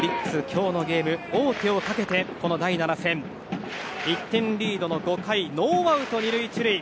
今日のゲーム、王手をかけてこの第７戦、１点リードの５回ノーアウト２塁１塁。